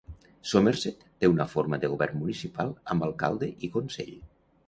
Somerset té una forma de govern municipal amb alcalde i consell.